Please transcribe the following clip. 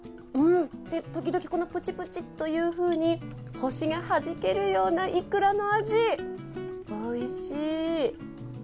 時々、このプチプチというふうに星がはじけるようなイクラの味、おいしい。